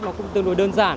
nó cũng tương đối đơn giản